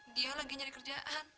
dia lagi nyari kerjaan